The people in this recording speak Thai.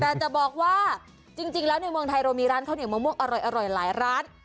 แต่จะบอกว่าจริงแล้วในเมืองไทยเรามีร้านข้าวเหนียวมะม่วงอร่อยหลายร้าน